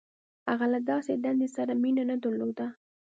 • هغه له داسې دندې سره مینه نهدرلوده.